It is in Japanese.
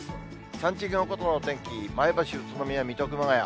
３時間ごとの天気、前橋、宇都宮、水戸、熊谷。